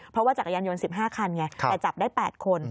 เพราะว่าจักรยานยนต์๑๕คันไงแต่จับได้๘คน